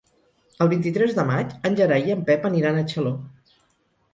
El vint-i-tres de maig en Gerai i en Pep aniran a Xaló.